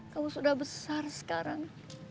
kamu sudah besar sekarang